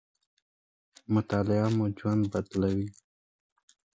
مطالعه مو ژوند بدلوي.